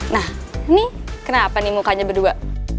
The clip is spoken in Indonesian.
nah ini kenapa nih mukanya berdua